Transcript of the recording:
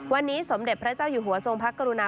วันนี้สมเด็จพระเจ้าอยู่หัวทรงพระกรุณา